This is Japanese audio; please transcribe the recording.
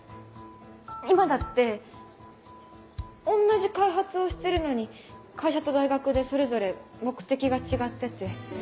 今だって同じ開発をしてるのに会社と大学でそれぞれ目的が違ってて。